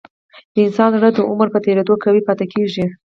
د انسان زړه د عمر په تیریدو قوي پاتې کېږي.